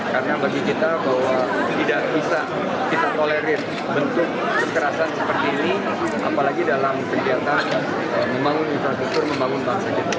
karena bagi kita bahwa tidak bisa kita tolerir bentuk kekerasan seperti ini apalagi dalam kegiatan membangun infrastruktur membangun bangsa kita